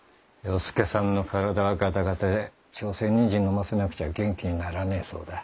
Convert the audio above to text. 与助さんの体はがたがたで朝鮮人参のませなくちゃ元気にならねえそうだ。